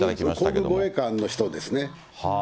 皇宮護衛官の人ですね。